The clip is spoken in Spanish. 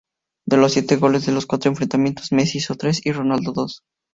De los siete goles en los cuatro enfrentamientos, Messi hizo tres y Ronaldo dos.